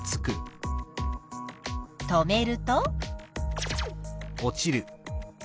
止めると？